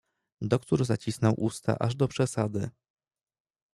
"Doktór zacisnął usta aż do przesady."